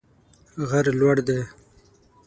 غر لوړ دی